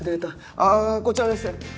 ああこちらです